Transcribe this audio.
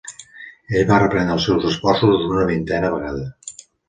Ell va reprendre els seus esforços una vintena vegada.